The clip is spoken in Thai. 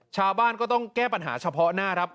ชาวบ้านก็ต้องแก้ปัญหาเฉพาะหน้าครับ